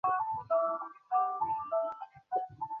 ঘুমানোর পূর্বে, কথা বলার ফাঁকে গাইতেন।